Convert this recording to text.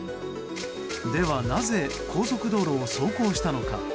では、なぜ高速道路を走行したのか。